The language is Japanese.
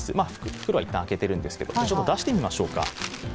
袋は一旦開けているんですけど、ちょっと出してみましょうか。